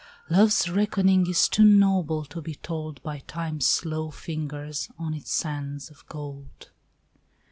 Love's reckoning is too noble to be told By Time's slow fingers on its sands of gold.